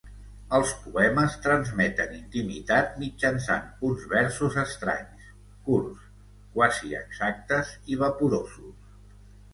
Els poemes transmeten intimitat mitjançant uns versos estranys, curts, quasi exactes i vaporosos.